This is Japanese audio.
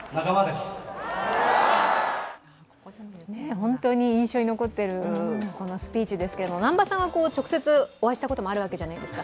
本当に印象に残っているスピーチですけど南波さんは直接、お会いしたこともあるわけじゃないですか。